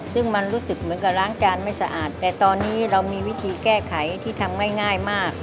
ซึ่งมันรู้สึกเหมือนกับล้างจานไม่สะอาดแต่ตอนนี้เรามีวิธีแก้ไขที่ทำง่ายมาก